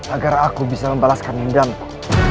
agar aku bisa membalaskan hendakmu